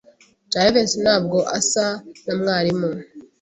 Jivency ntabwo asa na mwarimu.